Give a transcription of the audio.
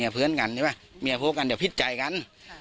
เพื่อนกันใช่ไหมเหมีย๊พงษ์กันจะพิจิกัน